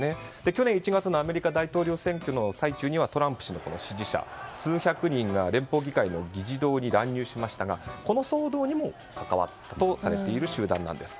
去年１月のアメリカ大統領選挙の最中にはトランプ氏の支持者数百人が連邦議会の議事堂に乱入しましたがこの騒動にも関わっているとされている集団です。